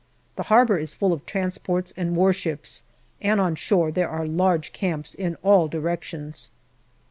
The harbour is full of transports and warships, and on shore there are large camps in all directions.